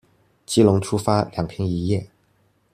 基隆出發兩天一夜